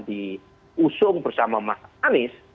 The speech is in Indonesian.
diusung bersama mas anies